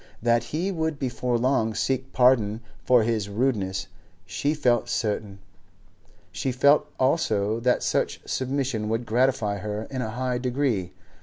That he would before long seek pardon for his rudeness she felt certain, she felt also that such submission would gratify her in a high degree.